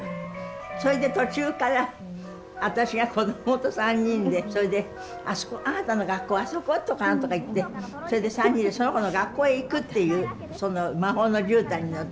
それで途中から私がこどもと３人でそれで「あそこあなたの学校あそこ？」とか何とか言ってそれで３人でその子の学校へ行くっていうその魔法のじゅうたんに乗って。